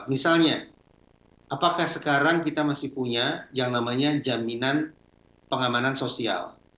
misalnya apakah sekarang kita masih punya yang namanya jaminan pengamanan sosial